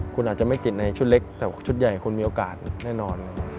คุณอาจจะไม่ติดในชุดเล็กแต่ชุดใหญ่คุณมีโอกาสแน่นอน